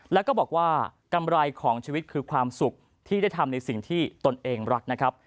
แล้วก็บอกว่ากำไรของชีวิตคือความสุขที่ได้ทำในสิ่งที่ตนเองรักนะครับ